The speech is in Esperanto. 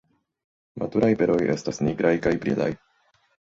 Maturaj beroj estas nigraj kaj brilaj.